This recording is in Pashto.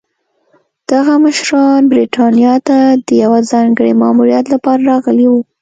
دغه مشران برېټانیا ته د یوه ځانګړي ماموریت لپاره راغلي وو.